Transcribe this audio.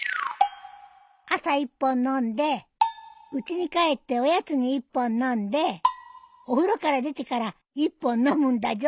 朝１本飲んでうちに帰っておやつに１本飲んでお風呂から出てから１本飲むんだじょ。